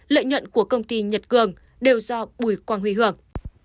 lợi nhuận của công ty nhật cường đều do bùi quang huy hưởng